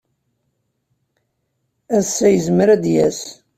Ass-a, yezmer ad d-yas.